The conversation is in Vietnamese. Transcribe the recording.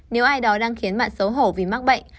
nếu ai đó đang khiến mạng xấu hổ vì mắc bệnh